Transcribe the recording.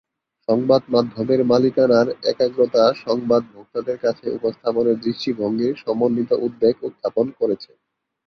সংবাদমাধ্যমের মালিকানার একাগ্রতা সংবাদ ভোক্তাদের কাছে উপস্থাপনের দৃষ্টিভঙ্গির সমন্বিত উদ্বেগ উত্থাপন করেছে।